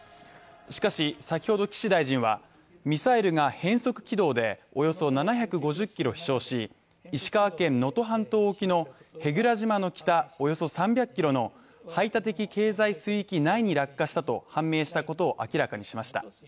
しかし、先ほど岸大臣は、ミサイルが変則軌道でおよそ７５０ｋｍ飛しょうし石川県能登半島沖の舳倉島の北およそ３００ｋｍの排他的経済水域内に落下したと判明したことを明らかにしました。